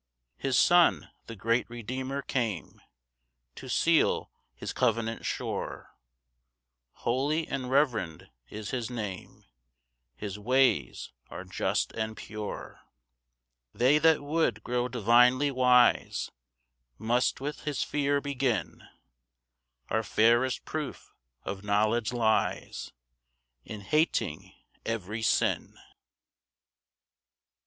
3 His Son, the great Redeemer, came To seal his covenant sure: Holy and reverend is his Name, His ways are just and pure. 4 They that would grow divinely wise Must with his fear begin; Our fairest proof of knowledge lies In hating every sin.